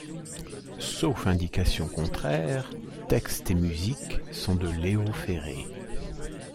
Sauf indication contraire, textes et musiques sont de Léo Ferré.